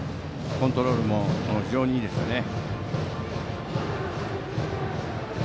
コントロールも非常にいいですよね。